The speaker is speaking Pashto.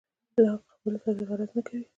له هغو قبایلو سره دې غرض نه کوي.